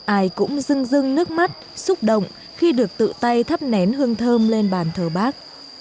ai cũng dưng dưng nước mắt xúc động khi được tự tay thắp nén hương thơm lên bàn thờ bác